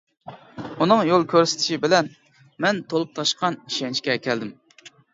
ئۇنىڭ يول كۆرسىتىشى بىلەن مەن تولۇپ تاشقان ئىشەنچىگە كەلدىم.